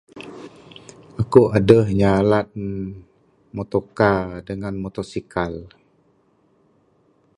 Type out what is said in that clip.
Aku adeh nyalan mutokar dengan mutosikal.